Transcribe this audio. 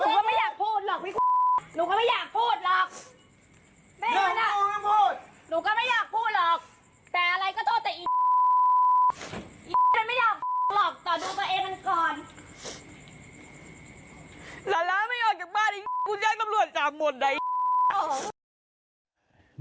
กูย่างกำรวจจากหมด